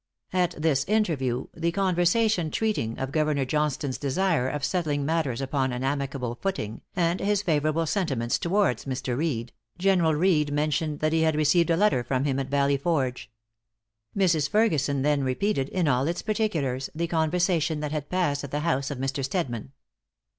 At this interview, the conversation treating of Governor Johnstone's desire of settling matters upon an amicable footing, and his favorable sentiments towards Mr. Reed, General Reed mentioned that he had received a letter from him at Valley Forge. Mrs. Ferguson then repeated, in all its particulars, the conversation that had passed at the house of Mr. Stedman.